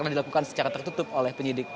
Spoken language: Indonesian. tidak tertutup oleh penyidik